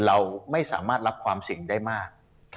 เราไม่สามารถรับความเสี่ยงได้มาก